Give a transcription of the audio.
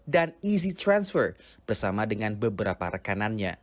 dan juga transfer mudah bersama dengan beberapa rekanannya